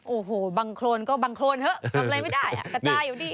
โอ้โหบังโครนก็บังโครนเถอะทำอะไรไม่ได้อ่ะกระจายอยู่ดี